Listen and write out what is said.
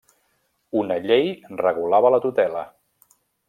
Una llei regulava la tutela.